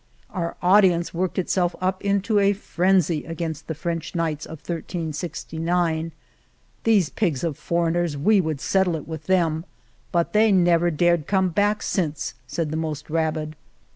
Our audience worked itself up into a frenzy against the French Knights of 1369. These pigs of foreigners, we would settle it with them, but they have never dared come back since," said the most rabid.